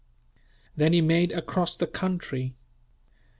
Then he made across the country.